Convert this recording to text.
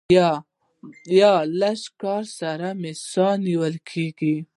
ایا لږ کار سره ساه مو نیول کیږي؟